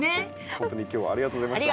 本当に今日はありがとうございました。